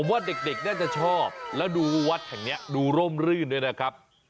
ผมว่าเด็กน่าจะชอบแล้วดูวัดแห่งนี้ดูร่มรื่นด้วยนะครับ